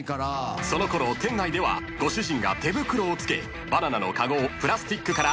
［そのころ店内ではご主人が手袋を着けバナナの籠をプラスチックから竹籠に変更］